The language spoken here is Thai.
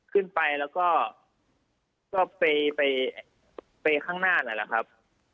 ตึกไปแล้วก็ต้องเปลี่ยนไปไปข้างหน้าอะไรครับ